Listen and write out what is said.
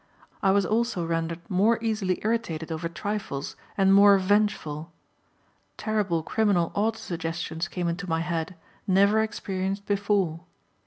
I was also rendered more easily irritated over trifles and more revengeful. Terrible criminal auto suggestions came into my head, never experienced before."